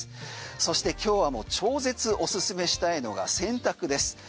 そして今日はもう超絶おすすめしたいのが洗濯です。